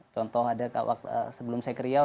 contoh ada sebelum saya kriau